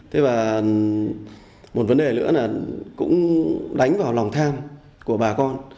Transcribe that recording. thế và một vấn đề nữa là cũng đánh vào lòng tham của bà con